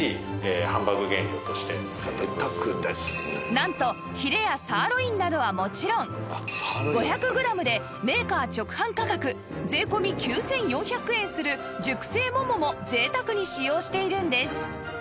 なんとヒレやサーロインなどはもちろん５００グラムでメーカー直販価格税込９４００円する熟成モモも贅沢に使用しているんです